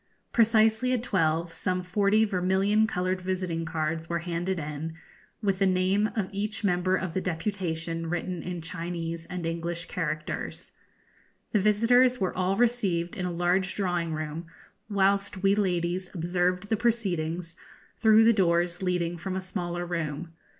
Precisely at twelve some forty vermilion coloured visiting cards were handed in, with the name of each member of the deputation written in Chinese and English characters. The visitors were all received in a large drawing room, whilst we ladies observed the proceedings through the doors leading from a smaller room.